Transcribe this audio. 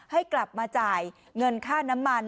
ให้กลับมาจ่ายเงินค่าน้ำมัน